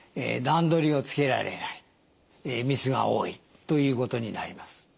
段取りをつけられないミスが多いということになります。